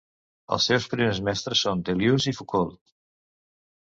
Els seus primers mestres són Deleuze i Foucault.